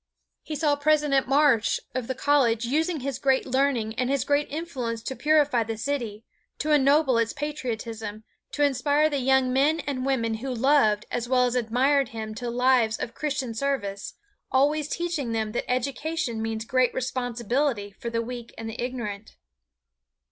He saw President Marsh of the college using his great learning and his great influence to purify the city, to ennoble its patriotism, to inspire the young men and women who loved as well as admired him to lives of Christian service, always teaching them that education means great responsibility for the weak and the ignorant.